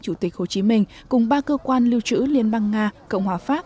chủ tịch hồ chí minh cùng ba cơ quan lưu trữ liên bang nga cộng hòa pháp